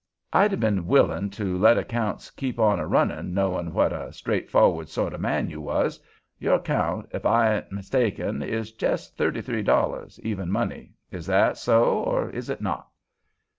I'd 'a' been willin' to let accounts keep on a runnin', knowin' what a straightforrards sort o' man you was. Your count, ef I ain't mistakened, is jes' thirty three dollars, even money. Is that so, or is it not?"